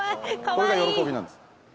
これが喜びなんです。